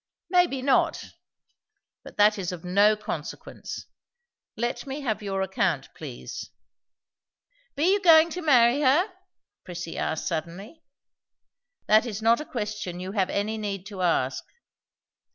"Maybe not. But that is of no consequence. Let me have your account, please." "Be you goin' to many her?" Prissy asked suddenly. "That is not a question you have any need to ask."